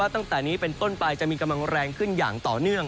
ตั้งแต่นี้เป็นต้นไปจะมีกำลังแรงขึ้นอย่างต่อเนื่อง